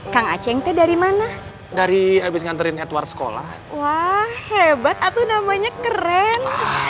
kang aceh ente dari mana dari habis nganterin edward sekolah wah hebat atau namanya keren ah